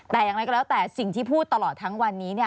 แต่ยังไงก็แล้วแต่สิ่งที่พูดตลอดทั้งวันนี้